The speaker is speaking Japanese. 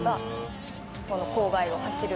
「郊外を走る。